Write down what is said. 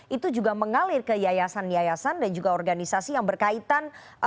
itu juga mengalir ke yayasan yayasan dan juga organisasi yang berkaitan